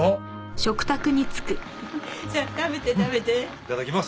いただきます。